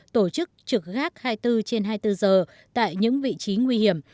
tổ chức trực gác hai mươi bốn trên hai mươi bốn giờ tại những vị trí nguy hiểm